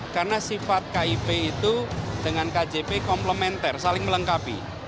karena sifat kip itu dengan kjp komplementer saling melengkapi